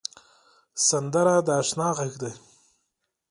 سندره د اشنا غږ دی